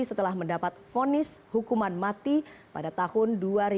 setelah mendapat ponis hukuman mati pada tahun dua ribu dua